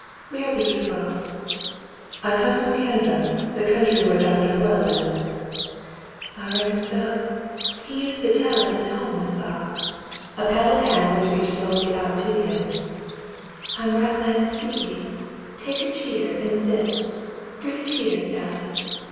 "Where be ye from .?" "I came from Canada, the country where Doctor Hoyle lives." "I reckon so. He used to tell 'at his home was thar." The Mountain People 13 A pallid hand was reached slowly out to him. "I'm right glad to see ye. Take a cheer and set. Bring a cheer, Sally."